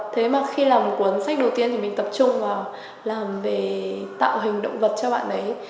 thế mà khi làm cuốn sách đầu tiên thì mình tập trung vào làm về tạo hình động vật cho bạn ấy